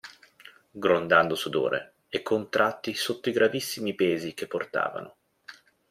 Grondando sudore e contratti sotto i gravissimi pesi che portavano.